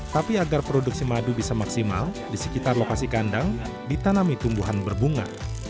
tapi agar produksi madu bisa maksimal di sekitar lokasi kandang ditanami tumbuhan berbunga